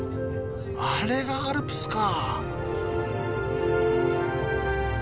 あれがアルプスか。